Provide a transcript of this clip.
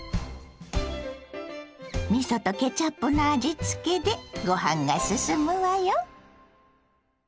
みそとケチャップの味付けでご飯がすすむわよ。